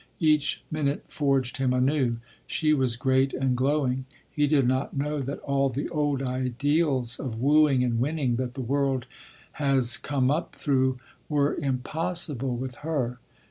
Each minute forged him anew. She was great and glowing. He did not know that all the old ideals of wooing and winning that the world has come up through were impossible with her.